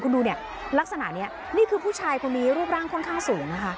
คุณดูรักษณะนี้นี่คือผู้ชายคุณมีรูปร่างค่อนข้างสูง